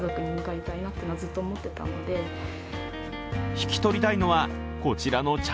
引き取りたいのはこちらの茶